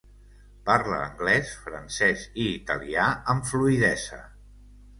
Parla anglès, francès i italià amb fluïdesa.